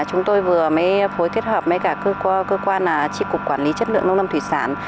chúng tôi vừa phối kết hợp với các cơ quan trị cục quản lý chất lượng nông dân thủy sản